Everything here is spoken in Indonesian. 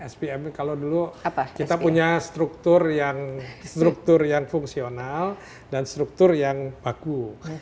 spm kalau dulu kita punya struktur yang fungsional dan struktur yang baku